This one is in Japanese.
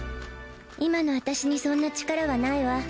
今の私にそんな力はないわ。